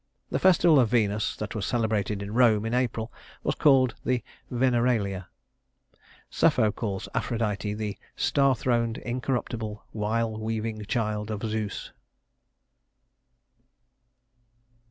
The festival of Venus that was celebrated in Rome in April was called the Veneralia. Sapho calls Aphrodite the "star throned, incorruptible, wile weaving child of Zeus."